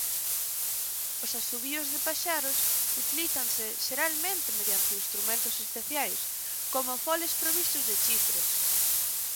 Os asubíos de paxaros utilízanse xeralmente mediante instrumentos especiais como foles provistos de chifres.